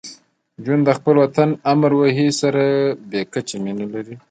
جون د خپل وطن امروهې سره بې کچه مینه لرله